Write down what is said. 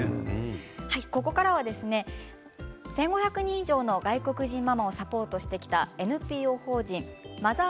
ここからは１５００人以上の外国人ママをサポートしてきたＮＰＯ法人Ｍｏｔｈｅｒ